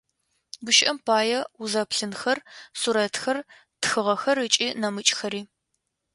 Гущыӏэм пае, узэплъынхэр, сурэтхэр, тхыгъэхэр ыкӏи нэмыкӏхэри.